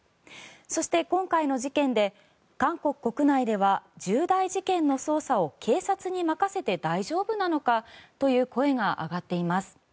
そして、今回の事件で韓国国内では重大事件の捜査を警察に任せて大丈夫なのかという声が上がっています。